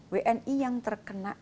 wni yang terkena